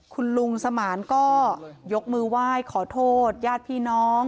คุณลุงสมานก็ยกมือไหว้ขอโทษญาติพี่น้อง